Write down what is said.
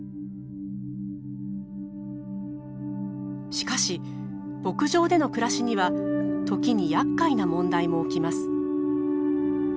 しかし牧場での暮らしには時にやっかいな問題も起きます。